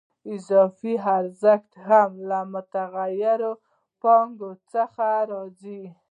اضافي ارزښت هم له متغیرې پانګې څخه راځي